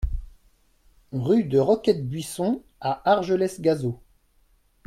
Rue de Roquette Buisson à Argelès-Gazost